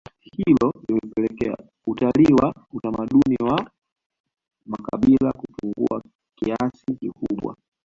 hilo limepelekea utalii wa utamaduni wa makabila kupungua kiasi kikubwa